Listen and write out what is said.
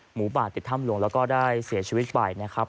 หมูป่าติดถ้ำหลวงแล้วก็ได้เสียชีวิตไปนะครับ